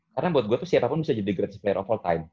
karena buat gue tuh siapapun bisa jadi greatest player of all time